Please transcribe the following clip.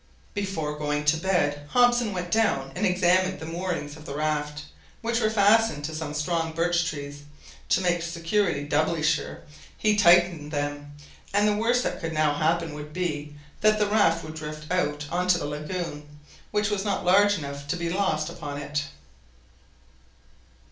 Before going to bed, Hobson went down and examined the moorings of the raft, which were fastened to some strong birch trees. To make security doubly sure, he tightened them, and the worst that could now happen would be, that the raft would drift out on to the lagoon, which was not large enough to be lost upon it.